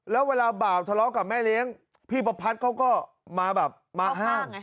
แล้วเวลาบ่าวทะเลาะกับแม่เลี้ยงพี่ประพัดเขาก็มาแบบมาห้าม